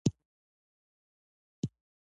نجلۍ د باران څاڅکی ده.